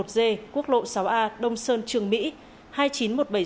hai nghìn chín trăm một mươi một g quốc lộ sáu a đông sơn trường mỹ